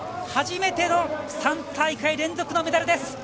初めての３大会連続のメダルです。